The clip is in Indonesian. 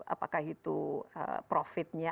apakah itu profitnya